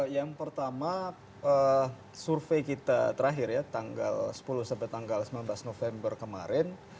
yang pertama survei kita terakhir ya tanggal sepuluh sampai tanggal sembilan belas november kemarin